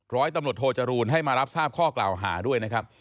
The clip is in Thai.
ร้อยตำรวจโทจรูลให้มารับทราบข้อกล่าวหาด้วยนะครับ